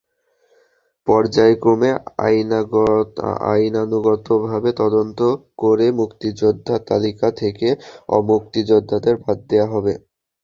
পর্যায়ক্রমে আইনানুগভাবে তদন্ত করে মুক্তিযোদ্ধার তালিকা থেকে অমুক্তিযোদ্ধাদের বাদ দেওয়া হবে।